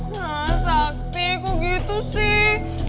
nah sakti kok gitu sih